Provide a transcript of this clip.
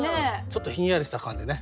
ちょっとひんやりした感じでね。